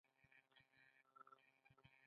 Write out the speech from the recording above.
زوی یې لوی کړی دی په دې هنر.